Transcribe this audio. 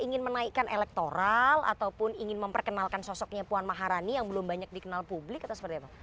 ingin menaikkan elektoral ataupun ingin memperkenalkan sosoknya puan maharani yang belum banyak dikenal publik atau seperti apa